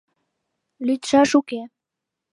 Лӱдшаш уке!